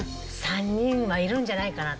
３人はいるんじゃないかな。